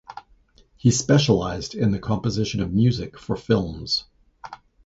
He specialized in the composition of music for films.